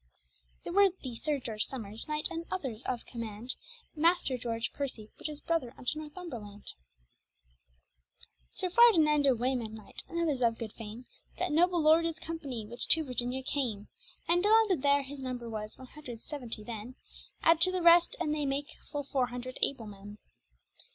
The worthy Sir George Somers knight, and others of commaund; Maister Georg Pearcy, which is brother unto Northumberland. Sir Fardinando Wayneman Knight, and others of good fame, That noble lord his company, which to Virginia came, And landed there; his number was one hundred seaventy; then Ad to the rest, and they make full foure hundred able men.